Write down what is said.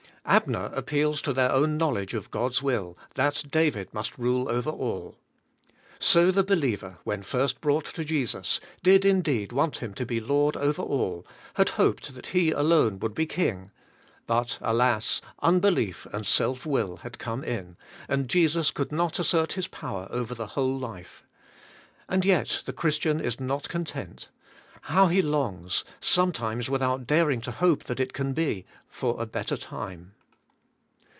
Abner appeals to their own knowledge of God's will, that David must rule over all. So the believer, when first brought to Jesus, did indeed want Him to be Lord over all, had hoped that He alone would be king. But, alas! unbelief and self will had come in, and Jesus could not assert His power over the whole life. And yet the Christian is not content. How he longs — sometimes without daring to hope that it can be — for a better time.